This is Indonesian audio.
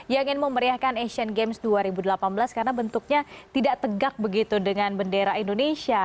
yang ingin memeriahkan asian games dua ribu delapan belas karena bentuknya tidak tegak begitu dengan bendera indonesia